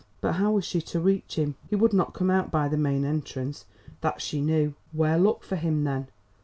But how was she to reach him? He would not come out by the main entrance; that she knew. Where look for him, then?